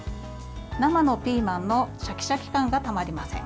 生のピーマンのシャキシャキ感がたまりません。